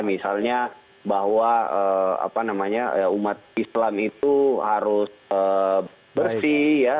misalnya bahwa umat islam itu harus bersih ya